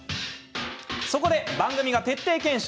そこで番組が徹底検証。